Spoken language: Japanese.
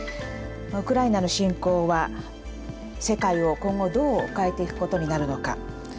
ウクライナの侵攻は世界を今後どう変えていくことになるのか。